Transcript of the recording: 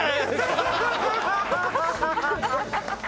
ハハハハ！